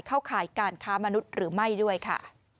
ข่ายการค้ามนุษย์หรือไม่ด้วยค่ะ